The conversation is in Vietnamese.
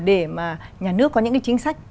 để mà nhà nước có những cái chính sách